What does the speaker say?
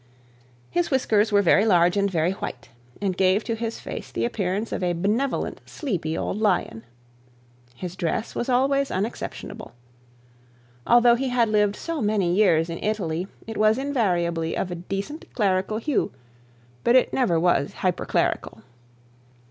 His whiskers were large and very white, and gave to his face the appearance of a benevolent sleepy old lion. His dress was always unexceptionable. Although he had lived so many years in Italy it was invariably of a decent clerical hue, but it never was hyperclerical.